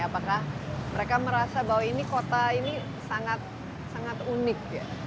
apakah mereka merasa bahwa ini kota ini sangat unik